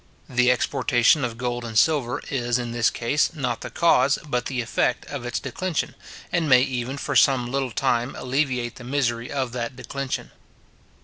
The exportation of gold and silver is, in this case, not the cause, but the effect of its declension, and may even, for some little time, alleviate the misery of that declension.